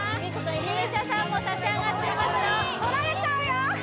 美依紗さんも立ち上がっています取られちゃうよ